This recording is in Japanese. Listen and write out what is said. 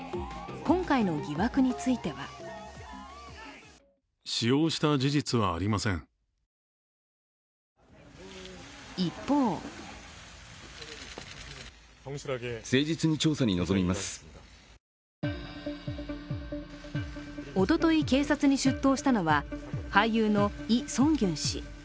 今回の疑惑については一方おととい、警察に出頭したのは俳優のイ・ソンギュン氏。